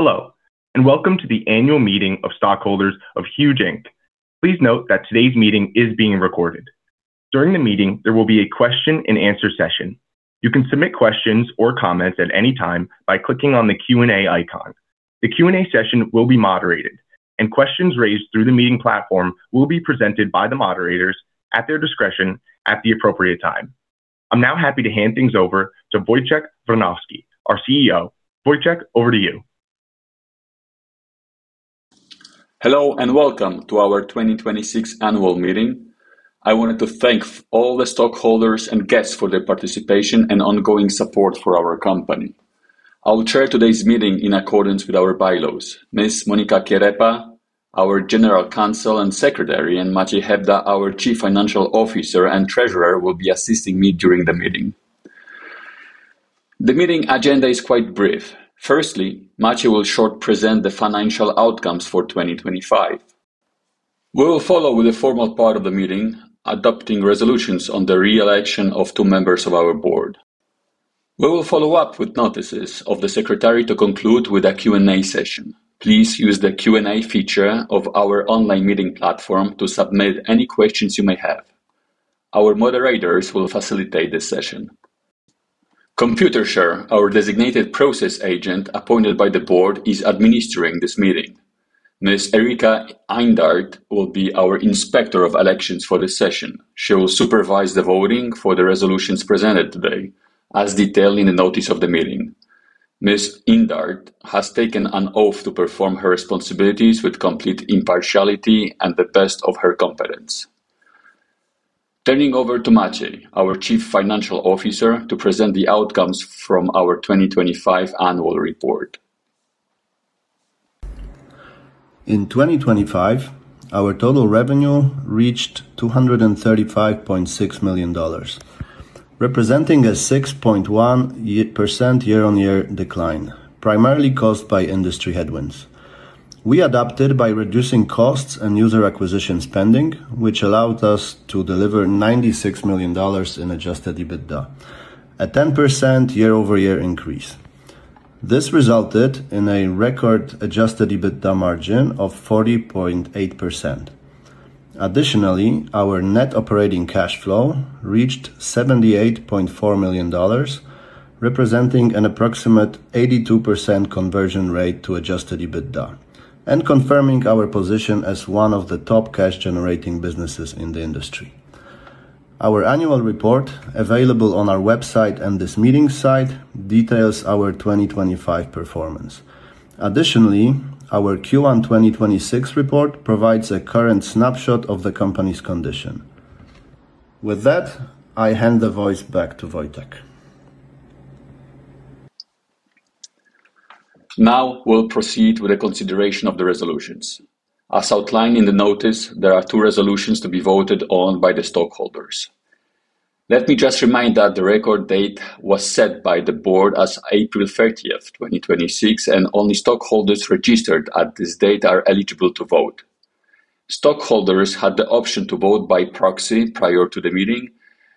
Hello, and welcome to the annual meeting of stockholders of Huuuge, Inc. Please note that today's meeting is being recorded. During the meeting, there will be a question and answer session. You can submit questions or comments at any time by clicking on the Q&A icon. The Q&A session will be moderated, and questions raised through the meeting platform will be presented by the moderators at their discretion at the appropriate time. I'm now happy to hand things over to Wojciech Wronowski, our CEO. Wojciech, over to you. Hello, and welcome to our 2026 annual meeting. I wanted to thank all the stockholders and guests for their participation and ongoing support for our company. I'll chair today's meeting in accordance with our bylaws. Ms. Monika Kierepa, our General Counsel and Secretary, and Maciej Hebda, our Chief Financial Officer and Treasurer, will be assisting me during the meeting. The meeting agenda is quite brief. Firstly, Maciej will short present the financial outcomes for 2025. We will follow with the formal part of the meeting, adopting resolutions on the re-election of two members of our board. We will follow up with notices of the Secretary to conclude with a Q&A session. Please use the Q&A feature of our online meeting platform to submit any questions you may have. Our moderators will facilitate this session. Computershare, our designated process agent appointed by the board, is administering this meeting. Ms. Ericka Indart will be our Inspector of Elections for this session. She will supervise the voting for the resolutions presented today, as detailed in the notice of the meeting. Ms. Indart has taken an oath to perform her responsibilities with complete impartiality and the best of her competence. Turning over to Maciej, our Chief Financial Officer, to present the outcomes from our 2025 annual report. In 2025, our total revenue reached $235.6 million, representing a 6.1% year-on-year decline, primarily caused by industry headwinds. We adapted by reducing costs and user acquisition spending, which allowed us to deliver $96 million in adjusted EBITDA, a 10% year-over-year increase. This resulted in a record adjusted EBITDA margin of 40.8%. Additionally, our net operating cash flow reached $78.4 million, representing an approximate 82% conversion rate to adjusted EBITDA and confirming our position as one of the top cash-generating businesses in the industry. Our annual report, available on our website and this meeting site, details our 2025 performance. Additionally, our Q1 2026 report provides a current snapshot of the company's condition. With that, I hand the voice back to Wojciech. We'll proceed with the consideration of the resolutions. As outlined in the notice, there are two resolutions to be voted on by the stockholders. Let me just remind that the record date was set by the board as April 30th, 2026, and only stockholders registered at this date are eligible to vote. Stockholders had the option to vote by proxy prior to the meeting,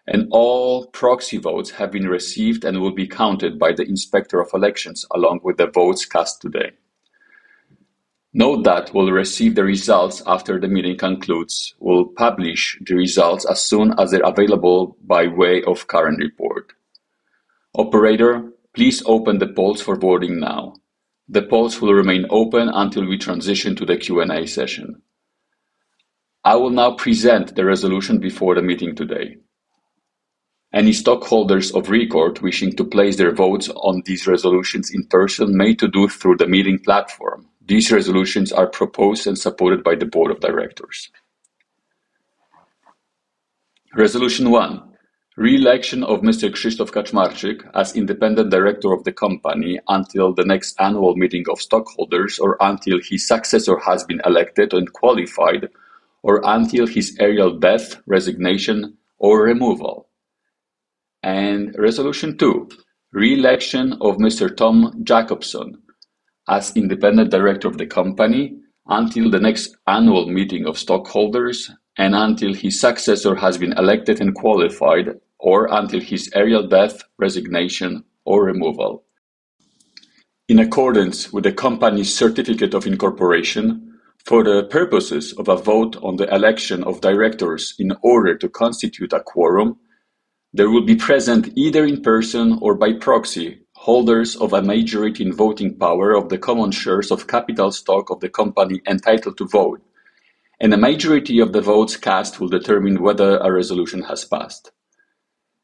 and all proxy votes have been received and will be counted by the Inspector of Elections along with the votes cast today. Note that we'll receive the results after the meeting concludes. We'll publish the results as soon as they're available by way of current report. Operator, please open the polls for voting now. The polls will remain open until we transition to the Q&A session. I will now present the resolution before the meeting today. Any stockholders of record wishing to place their votes on these resolutions in person may do it through the meeting platform. These resolutions are proposed and supported by the board of directors. Resolution one, re-election of Mr. Krzysztof Kaczmarczyk as Independent Director of the Company until the next annual meeting of stockholders, or until his successor has been elected and qualified, or until his earlier death, resignation, or removal. Resolution two, re-election of Mr. Tom Jacobsson as Independent Director of the Company until the next annual meeting of stockholders, and until his successor has been elected and qualified, or until his earlier death, resignation, or removal. In accordance with the company's certificate of incorporation, for the purposes of a vote on the election of directors in order to constitute a quorum, they will be present either in person or by proxy, holders of a majority in voting power of the common shares of capital stock of the company entitled to vote, and a majority of the votes cast will determine whether a resolution has passed.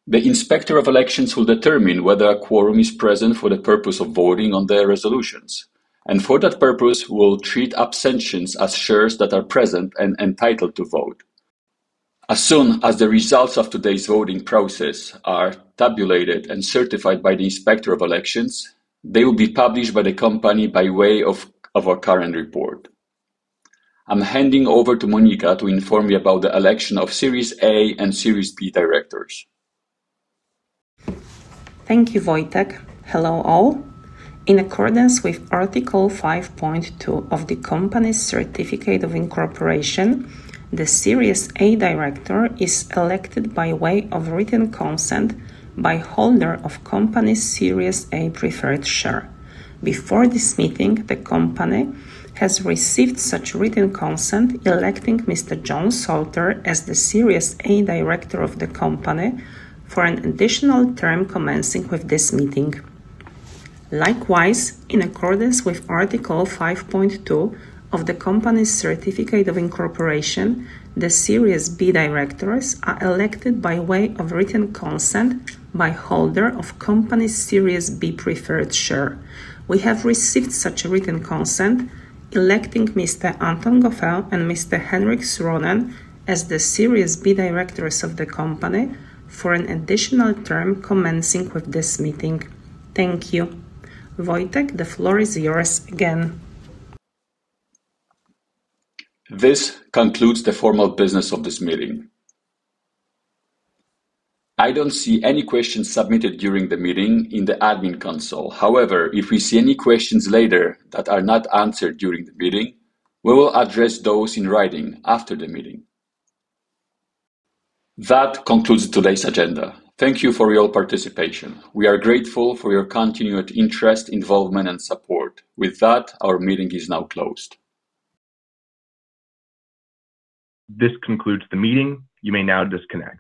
The Inspector of Elections will determine whether a quorum is present for the purpose of voting on the resolutions, and for that purpose, will treat abstentions as shares that are present and entitled to vote. As soon as the results of today's voting process are tabulated and certified by the Inspector of Elections, they will be published by the company by way of a current report. I'm handing over to Monika to inform you about the election of Series A and Series B directors. Thank you, Wojciech. Hello, all. In accordance with Article 5.2 of the company's certificate of incorporation, the Series A Director is elected by way of written consent by holder of company's Series A preferred share. Before this meeting, the company has received such written consent, electing Mr. John Salter as the Series A Director of the company for an additional term commencing with this meeting. Likewise, in accordance with Article 5.2 of the company's certificate of incorporation, the Series B directors are elected by way of written consent by holder of company's Series B preferred share. We have received such a written consent electing Mr. Anton Gauffin and Mr. Henric Suuronen as the Series B directors of the company for an additional term commencing with this meeting. Thank you. Wojciech, the floor is yours again. This concludes the formal business of this meeting. I don't see any questions submitted during the meeting in the admin console. However, if we see any questions later that are not answered during the meeting, we will address those in writing after the meeting. That concludes today's agenda. Thank you for your participation. We are grateful for your continued interest, involvement, and support. With that, our meeting is now closed. This concludes the meeting. You may now disconnect.